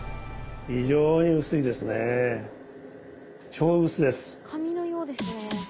そして紙のようですね。